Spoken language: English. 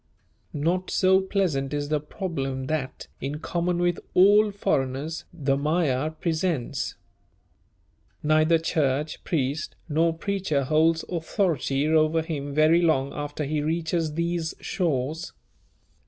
Not so pleasant is the problem that, in common with all foreigners, the Magyar presents. Neither church, priest, nor preacher holds authority over him very long after he reaches these shores.